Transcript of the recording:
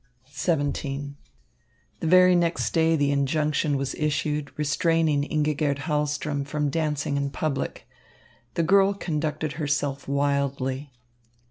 XVII The very next day the injunction was issued, restraining Ingigerd Hahlström from dancing in public. The girl conducted herself wildly.